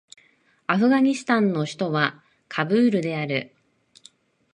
アフガニスタンの首都はカブールである